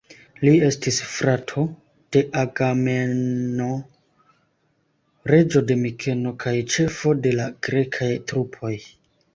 Li estis frato de Agamemno, reĝo de Mikeno kaj ĉefo de la grekaj trupoj.